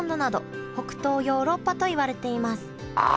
ああ！